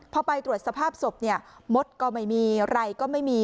พอไปตรวจสภาพศพเนี่ยมดก็ไม่มีอะไรก็ไม่มี